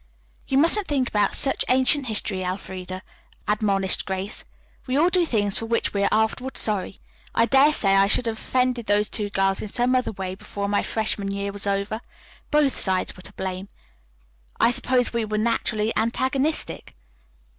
"You mustn't think about such ancient history, Elfreda," admonished Grace. "We all do things for which we are afterward sorry. I daresay I should have offended those two girls in some other way before my freshman year was over. Both sides were to blame. I suppose we were naturally antagonistic."